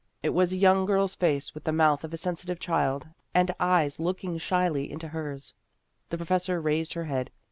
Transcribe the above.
It was a young girl's face with the mouth of a sensitive child and eyes looking shyly into hers. The professor raised her head.